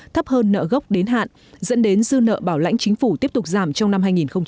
thấp hơn nợ gốc đến hạn dẫn đến dư nợ bảo lãnh chính phủ tiếp tục giảm trong năm hai nghìn hai mươi